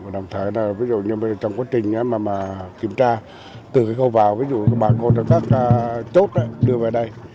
đồng thời là ví dụ như trong quá trình mà kiểm tra từ cái khâu vào ví dụ các bà cô đưa các chốt đưa về đây